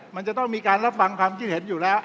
มันจะต้องมีการรับฟังความคิดเห็นอยู่แล้ว